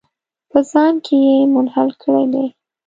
په ځان کې یې منحل کړي دي.